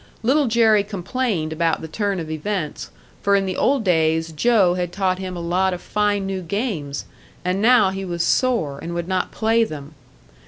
Little Jerry complained about the turn of events, for in the old days Joe had taught him a lot of fine new games and now he was sore, and would not play them.